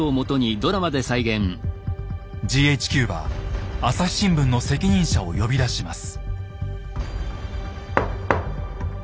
ＧＨＱは「朝日新聞」の責任者を呼び出します。